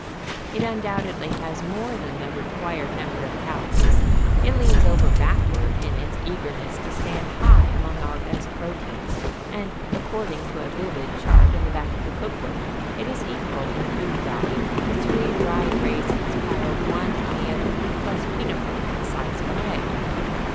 It undoubtedly has more than the required number of calories; it leans over backward in its eagerness to stand high among our best proteins, and, according to a vivid chart in the back of the cookbook, it is equal in food value to three dried raisins piled one on the other plus peanut butter the size of an egg.